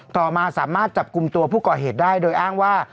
ต่อมาสามารถจับกลุ่มตัวผู้ก่อเหตุได้โดยอ้างว่า